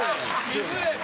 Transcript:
いずれ！